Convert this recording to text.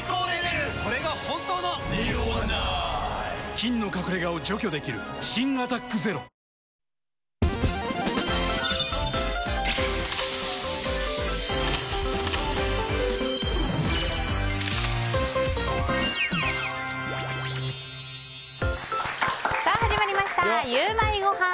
菌の隠れ家を除去できる新「アタックＺＥＲＯ」さあ、始まりましたゆウマいごはん。